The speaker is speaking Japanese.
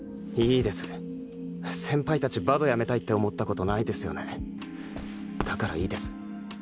先輩達バド辞めたいって思ったことないですよねだからいいです。